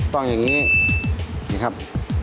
ต้องอย่างนี้นะครับ